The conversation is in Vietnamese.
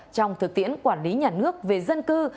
trong thực tiễn quản lý nhà nước về dân cư